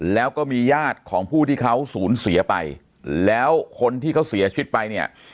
แล้วก็มีญาติของผู้ที่เขาสูญเสียไปแล้วคนที่เขาเสียชีวิตไปเนี่ย